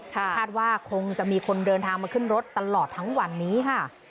คาดว่าคงจะมีคนเดินทางมาขึ้นรถตลอดทั้งวันนี้ค่ะ